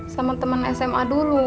sama temen sma dulu